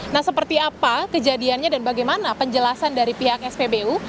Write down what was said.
nah seperti apa kejadiannya dan bagaimana penjelasan dari pihak spbu